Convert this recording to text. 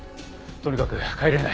とにかく帰れない。